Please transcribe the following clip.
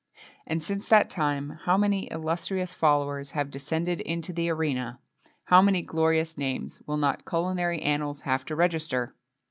[XXII 10] And since that time how many illustrious followers have descended into the arena, how many glorious names will not culinary annals have to register!